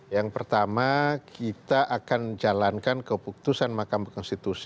yang pertama kita akan jalankan keputusan makam berkonstitusi